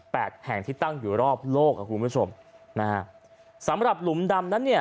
แห่งที่ตั้งอยู่รอบโลกอ่ะคุณผู้ชมนะฮะสำหรับหลุมดำนั้นเนี่ย